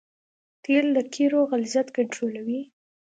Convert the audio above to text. تیل د قیرو غلظت کنټرولوي